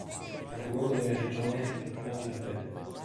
Capoluogo della regione è Pont-l'Abbé.